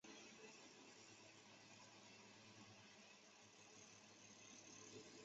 四川南溪人。